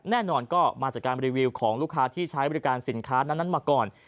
แน่นอนก็มาจากการรีวิวของลูกค้าที่ใช้บริการสินค้านั้นมาก่อน